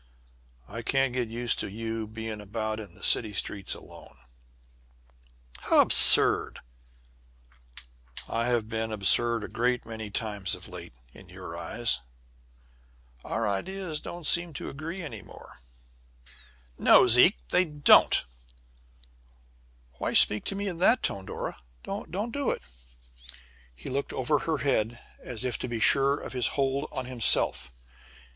"I can't get used to you being about in the city streets alone." "How absurd!" "I have been absurd a great many times of late in your eyes. Our ideas don't seem to agree any more." "No, Zeke, they don't!" "Why speak to me in that tone, Dora? Don't do it!" He looked over her head, as if to be sure of his hold on himself.